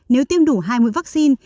nếu tiêm đủ hai mươi vaccine